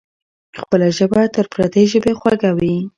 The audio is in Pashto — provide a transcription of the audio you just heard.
خپله ژبه تر پردۍ ژبې خوږه وي.